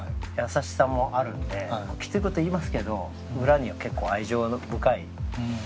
きつい事言いますけど裏には結構愛情深い。